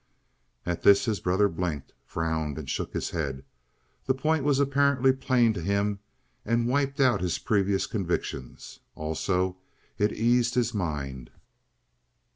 At this his brother blinked, frowned, and shook his head. The point was apparently plain to him and wiped out his previous convictions. Also, it eased his mind.